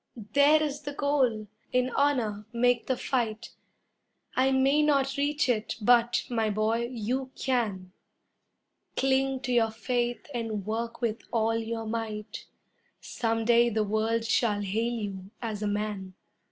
There is the goal. In honor make the fight. I may not reach it but, my boy, you can. Cling to your faith and work with all your might, Some day the world shall hail you as a man.